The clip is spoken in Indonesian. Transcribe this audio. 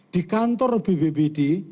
di kantor bbbd